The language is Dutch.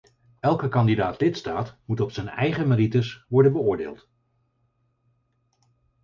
Elke kandidaat-lidstaat moet op zijn eigen merites worden beoordeeld.